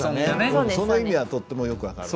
その意味はとってもよく分かる。